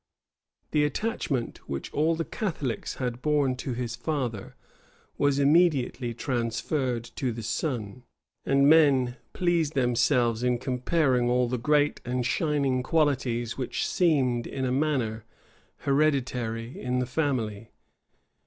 The attachment which all the Catholics had borne to his father, was immediately transferred to the son; and men pleased themselves in comparing all the great and shining qualities which seemed, in a manner, hereditary in that family.